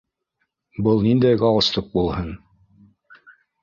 Был ниндәй галстук булһын?!